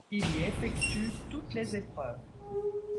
Il y effectue toutes les épreuves.